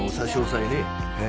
ええ。